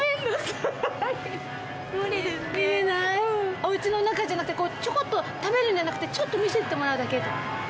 お家の中じゃなくてちょこっと食べるんじゃなくてちょっと見せてもらうだけ。